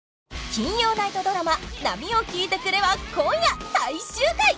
金曜ナイトドラマ『波よ聞いてくれ』は今夜最終回！